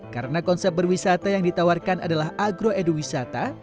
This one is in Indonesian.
karena konsep berwisata yang ditawarkan adalah agro eduwisata